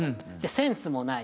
センスもない。